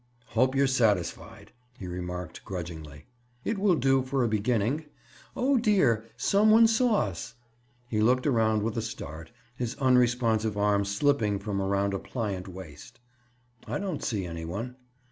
"Hope you're satisfied," he remarked grudgingly. "It will do for a beginning. Oh, dear! some one saw us!" He looked around with a start, his unresponsive arm slipping from about a pliant waist. "I don't see any one."